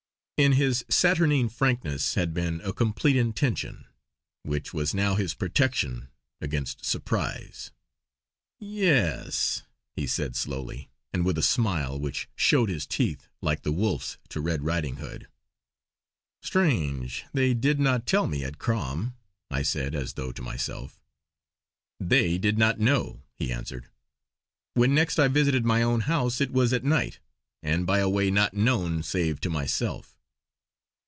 In his saturnine frankness had been a complete intention, which was now his protection against surprise. "Yes!" he said slowly, and with a smile which showed his teeth, like the wolf's to Red Ridinghood. "Strange, they did not tell me at Crom," I said as though to myself. "They did not know!" he answered. "When next I visited my own house, it was at night, and by a way not known, save to myself."